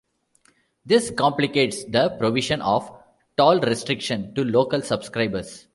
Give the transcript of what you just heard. This complicates the provision of toll restriction to local subscribers.